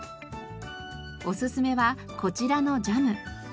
おすすめはこちらのジャム。